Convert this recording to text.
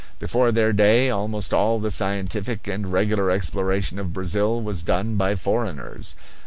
Before their day almost all the scientific and regular exploration of Brazil was done by foreigners.